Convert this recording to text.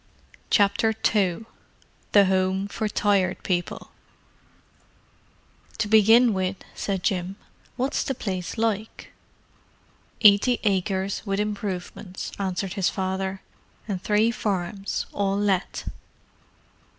CHAPTER II THE HOME FOR TIRED PEOPLE "To begin with," said Jim—"what's the place like?" "Eighty acres, with improvements," answered his father. "And three farms—all let."